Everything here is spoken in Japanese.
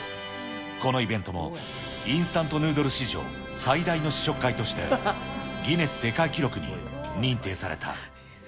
このイベントもインスタントヌードル史上、最大の試食会として、ギネス世界記録に認定された。